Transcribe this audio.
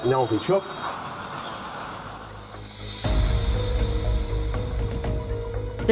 từ những lời khai ban đầu